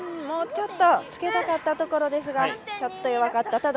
もうちょっとつけたかったところですがちょっと弱かった。